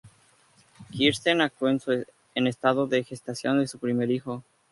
Kirsten actuó en estado de gestación de su primer hijo.